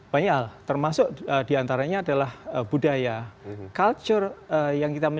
banyak hal termasuk diantaranya adalah budaya